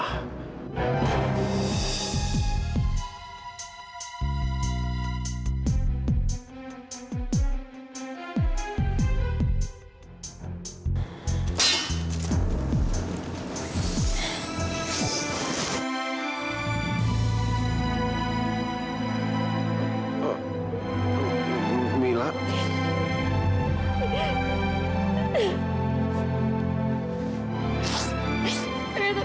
ternyata kamu kak fadhil